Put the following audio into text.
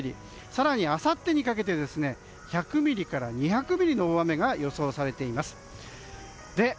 更にあさってにかけて１００ミリから２００ミリの大雨が予想されています。